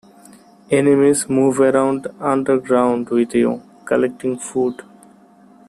Enemies move around underground with you, collecting food.